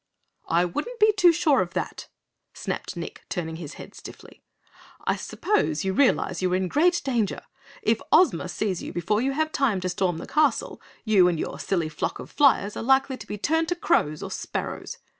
"I wouldn't be too sure of that," snapped Nick, turning his head stiffly. "I suppose you realize you are in great danger? If Ozma sees you before you have time to storm the castle, you and your silly flock of flyers are likely to be turned to crows or sparrows!